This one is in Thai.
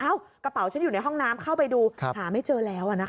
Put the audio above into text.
กระเป๋าฉันอยู่ในห้องน้ำเข้าไปดูหาไม่เจอแล้วนะคะ